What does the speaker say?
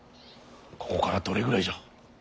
ここからどれぐらいじゃ。